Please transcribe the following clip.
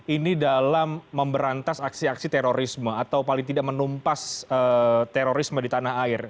ini dalam memberantas aksi aksi terorisme atau paling tidak menumpas terorisme di tanah air